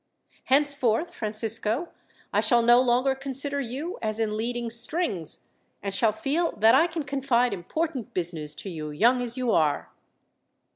"Henceforth, Francisco, I shall no longer consider you as in leading strings, and shall feel that I can confide important business to you, young as you are."